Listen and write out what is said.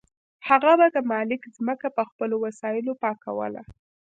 هغه به د مالک ځمکه په خپلو وسایلو پاکوله.